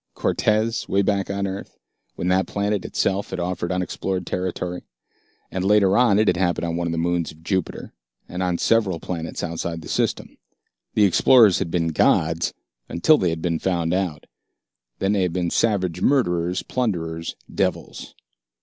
Cortez, way back on Earth, when that planet itself had offered unexplored territory. And later on it had happened on one of the moons of Jupiter, and on several planets outside the System. The explorers had been gods, until they had been found out. Then they had been savage murderers, plunderers, devils.